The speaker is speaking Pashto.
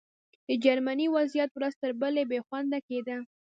د جرمني وضعیت ورځ تر بلې بې خونده کېده